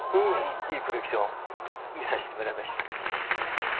いいコレクション見させてもらいました。